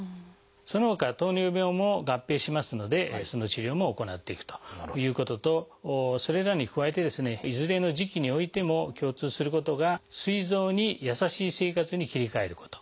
そのほか糖尿病も合併しますのでその治療も行っていくということとそれらに加えてですねいずれの時期においても共通することがすい臓に優しい生活に切り替えること。